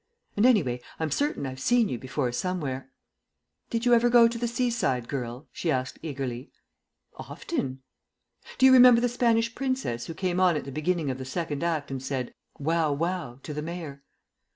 And, anyway, I'm certain I've seen you before somewhere." "Did you ever go to The Seaside Girl?" she asked eagerly. "Often." "Do you remember the Spanish princess who came on at the beginning of the Second Act and said, 'Wow wow!' to the Mayor?"